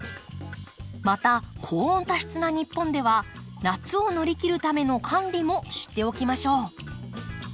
また高温多湿な日本では夏を乗り切るための管理も知っておきましょう。